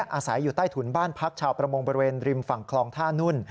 อาศัยอยู่ใต้ถุนบ้านพักชาวประมงบริเวณริมฝั่งคลองท่านุ่น